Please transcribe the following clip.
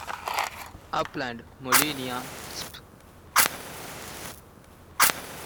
Upland "Molinia" spp.